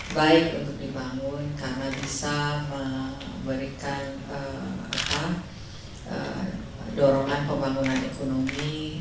baik untuk dibangun karena bisa memberikan dorongan pembangunan ekonomi